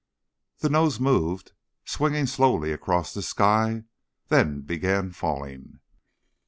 The nose moved, swinging slowly across the sky, then began falling.